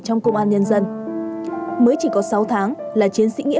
trong công an nhân dân mới chỉ có sáu tháng là chiến sĩ nghĩa